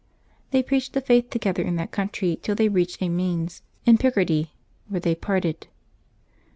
They preached the Faith together in that country till they reached Amiens in Pic ardy, where they parted.